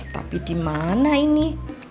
tapi dimana ini